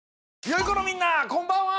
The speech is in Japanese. よいこのみんなこんばんは！